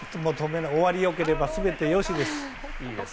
終わりよければ全てよしです。